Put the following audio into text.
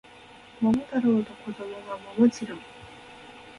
桃太郎の子供は桃次郎